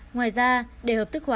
ngoài ra để hợp tức khoản